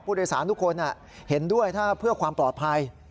ผู้โดยสารทุกคนเห็นด้วยถ้าเพื่อความปลอดภัย